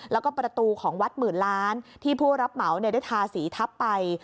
แล้วก็ประตูของวัดหมื่นล้านที่ผู้รับเหมาได้ทาสีทับไป